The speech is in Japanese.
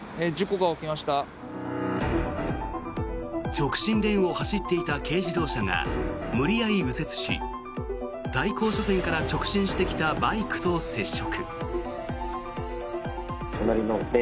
直進レーンを走っていた軽自動車が無理やり右折し対向車線から直進してきたバイクと接触。